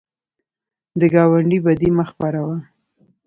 د ګاونډي بدي مه خپروه